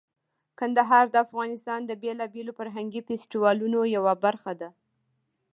کندهار د افغانستان د بیلابیلو فرهنګي فستیوالونو یوه برخه ده.